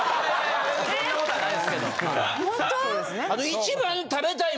そんなことはないですけど。